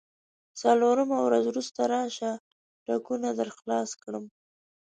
څلورمه ورځ وروسته راشه، ټکونه درخلاص کړم.